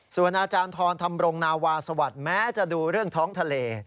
ส่วนอาจารย์ทรธรรมรงนาวาสวัสดิ์แม้จะดูเรื่องท้องทะเล